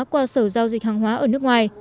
qua sở giao dịch hàng hóa ở nước ngoài